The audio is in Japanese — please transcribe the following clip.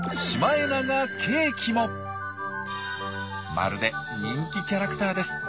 まるで人気キャラクターです。